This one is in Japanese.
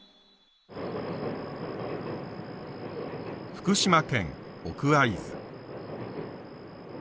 福島県奥会津。